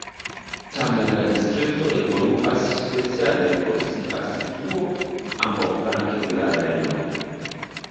Tamen la distrikto evoluas speciale pro sia situo ambaŭflanke de la Rejno.